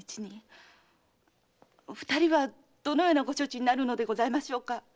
二人はどのようなご処置になるのでございましょうか？